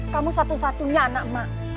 kamu satu satunya anak mak